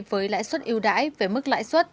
với lãi suất ưu đãi về mức lãi suất